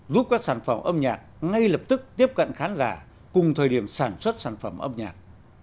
giúp các sản phẩm âm nhạc ngay lập tức tiếp cận khán giả cùng thời điểm sản xuất sản phẩm âm nhạc